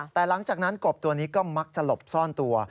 แต่หลังจากนั้นกบตัวนี้ก็มักจะหลบซ่อนตัว